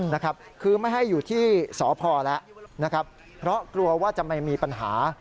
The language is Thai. นะครับคือไม่ให้อยู่ที่สพแล้วนะครับเพราะกลัวว่าจะไม่มีปัญหา